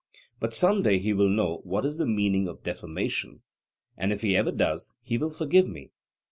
But some day he will know what is the meaning of defamation, and if he ever does, he will forgive me.